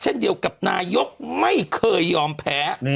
เช่นเดียวกับนายกไม่เคยยอมแพ้